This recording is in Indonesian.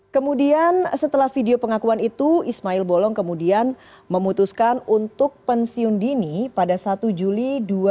kemudian setelah video pengakuan itu ismail bolong kemudian memutuskan untuk pensiun dini pada satu juli dua ribu dua puluh